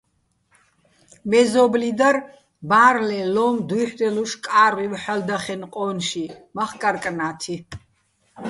მეზო́ბლი დარ ბა́რლეჼ ლო́უ̆მო̆ დუ́ჲჰ̦რელუშ კა́რვივ ჰ̦ალო̆ და́ხკენო̆ ყო́ნში, მახკარ-კნა́თი.